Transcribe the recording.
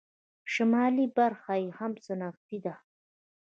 شمالي برخه یې هم صنعتي ده.